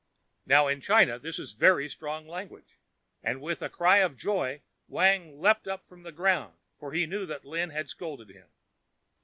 Now, in China, this is very strong language, and, with a cry of joy, Wang leaped from the ground, for he knew that Lin had scolded him.